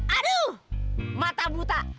aduh mata buta